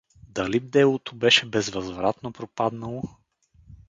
Дали делото беше безвъзвратно пропаднало?